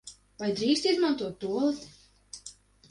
Vai drīkst izmantot tualeti?